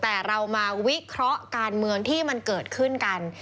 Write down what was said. แต่เรามาวิเคราะห์การเมืองที่มันเกิดขึ้นกัน